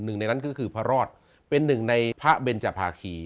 หนึ่งในนั้นก็คือพระรอดเป็นหนึ่งในพระเบนจภาคี